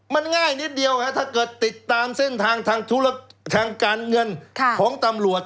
มันง่ายนิดเดียวถ้าเกิดติดตามเส้นทางทางการเงินของตำรวจ